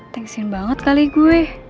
thanksin banget kali gue